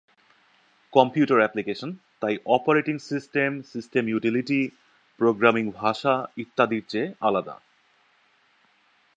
Computer application তাই operating system, system utility, programming ভাষা, ইত্যাদির চেয়ে আলাদা।